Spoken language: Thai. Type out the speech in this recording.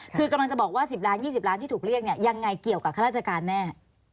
คือกำลังจะบอกว่า๑๐ล้าน๒๐ล้านที่ถูกเรียกเนี่ยยังไงเกี่ยวกับข้าราชการแน่